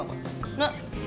ねっ。